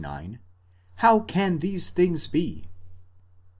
9), How can these things be?